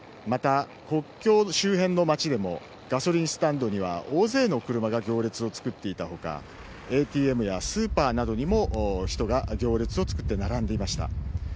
また、国境周辺の町でもガソリンスタンドには大勢の車が行列を作っていた他ＡＴＭやスーパーなどにも人が行列を作って並んでいました。